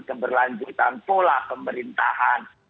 keberlanjutan pola pemerintahan